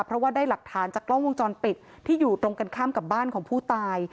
เพราะว่าได้หลักฐานจากกล้องวงจรปิดที่อยู่ตรงกันข้ามกับบ้านของผู้ตาย